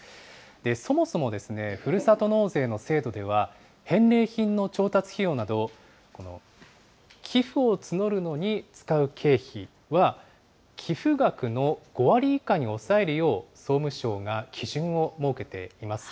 そもそも、ふるさと納税の制度では、返礼品の調達費用など、寄付を募るのに使う経費は、寄付額の５割以下に抑えるよう、総務省が基準を設けています。